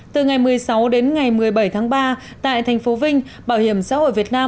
từ ngày một mươi sáu đến ngày một mươi bảy tháng ba tại thành phố vinh bảo hiểm xã hội việt nam